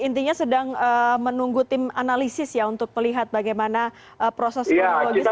intinya sedang menunggu tim analisis ya untuk melihat bagaimana proses kronologisnya